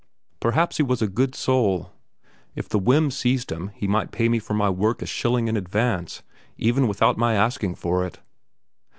Perhaps he was a good soul; if the whim seized him he might pay me for my work a shilling in advance, even without my asking for it.